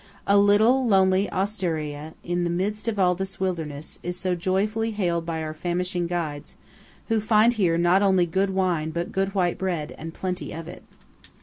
A little lonely osteria in the midst of this wilderness is joyfully hailed by our famishing guides, who find here not only good wine but good white bread, and plenty of it.